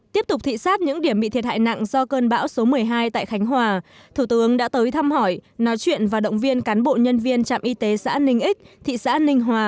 tiếp tục thị xác những điểm bị thiệt hại nặng do cơn bão số một mươi hai tại khánh hòa thủ tướng đã tới thăm hỏi nói chuyện và động viên cán bộ nhân viên trạm y tế xã ninh ích thị xã ninh hòa